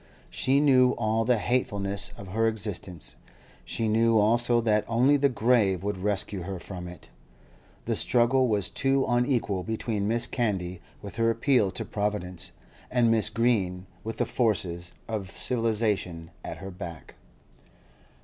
She knew all the hatefulness of her existence; she knew also that only the grave would rescue her from it. The struggle was too unequal between Mrs. Candy with her appeal to Providence, and Mrs. Green with the forces of civilisation at her back.